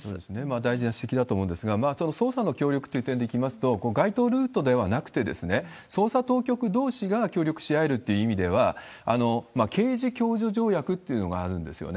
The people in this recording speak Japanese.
大事な指摘だと思うんですが、その捜査の協力という点でいきますと、該当ルートではなくて、捜査当局どうしが協力し合えるという意味では、刑事共助状況というのがあるんですよね。